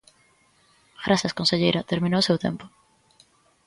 Grazas conselleira, terminou o seu tempo.